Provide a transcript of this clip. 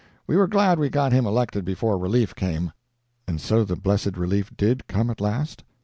We were glad we got him elected before relief came." "And so the blessed relief did come at last?"